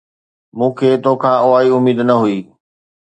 مون کي تو کان اها ئي اميد نه هئي